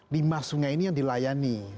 lima sungai ini yang dilayani